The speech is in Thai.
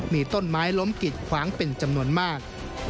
มีต้นไม้ล้มกิดขวางเป็นจำนวนมาก